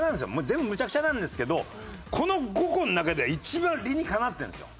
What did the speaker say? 全部むちゃくちゃなんですけどこの５個の中では一番理にかなってるんですよ。